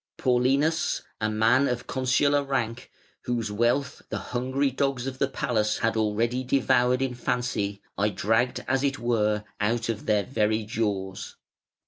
Paulinus, a man of consular rank, whose wealth the hungry dogs of the palace had already devoured in fancy, I dragged as it were out of their very jaws".